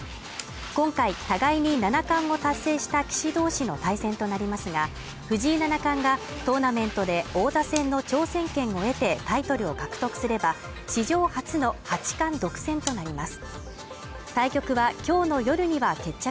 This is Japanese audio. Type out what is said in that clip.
今回互いに七冠を達成した棋士同士の対戦となりますが、藤井七冠がトーナメントで王座戦の挑戦権を得てタイトルを獲得すれば、史上初の８冠独占となります。